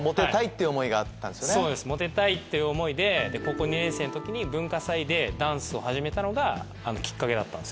そうですモテたいっていう思いで高校２年生の時に文化祭でダンスを始めたのがきっかけだったんですよね。